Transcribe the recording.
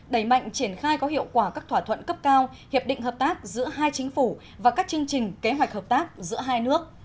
đẩy mạnh triển khai có hiệu quả các thỏa thuận cấp cao hiệp định hợp tác giữa hai chính phủ và các chương trình kế hoạch hợp tác giữa hai nước